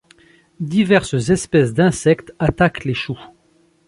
Diverses espèces d'insectes attaquent les choux.